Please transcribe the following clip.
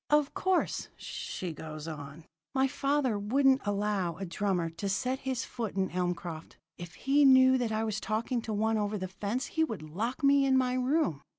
"'Of course,' she goes on, 'my father wouldn't allow a drummer to set his foot in Elmcroft. If he knew that I was talking to one over the fence he would lock me in my room.'